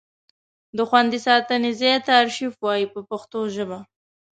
د خوندي ساتنې ځای ته ارشیف وایي په پښتو ژبه.